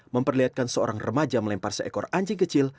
memperlihatkan seorang remaja melempar seekor anjing kecil